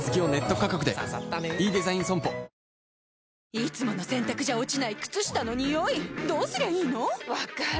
いつもの洗たくじゃ落ちない靴下のニオイどうすりゃいいの⁉分かる。